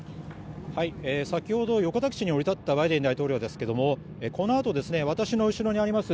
先ほど横田基地に降り立ったバイデン大統領ですがこのあと私の後ろにあります